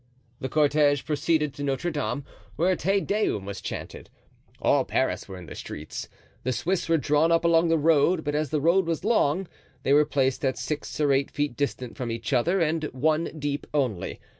The cortege proceeded to Notre Dame, where a Te Deum was chanted. All Paris were in the streets. The Swiss were drawn up along the road, but as the road was long, they were placed at six or eight feet distant from each other and one deep only.